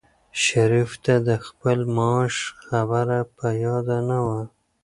شریف ته د خپل معاش خبره په یاد نه وه.